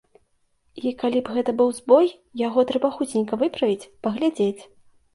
І калі б гэта быў збой, яго трэба хуценька выправіць, паглядзець.